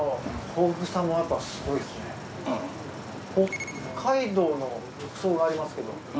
北海道の直送がありますけど。